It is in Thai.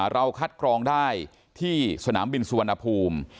เราคัดกรองได้ที่สนามบินสุวรรณภูมิ